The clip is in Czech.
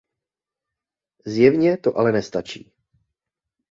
Zjevně to ale nestačí.